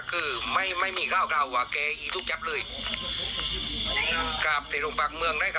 คือไม่ไม่มีเก้าเก้าว่าแกอีทุกจับเลยกลับที่รุงปากเมืองเลยค่ะ